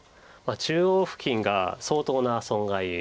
中央付近が相当な損害ですから。